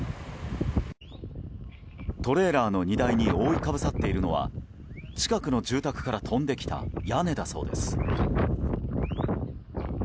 トレーラーの荷台に覆いかぶさっているのは近くの住宅から飛んできた屋根だそうです。